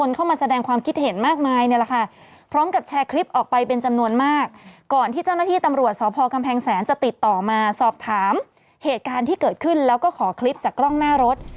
แล้วก็ขอคลิปจากกล้องหน้ารถ